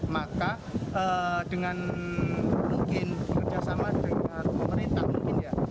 maka dengan mungkin kerjasama dengan pemerintah mungkin ya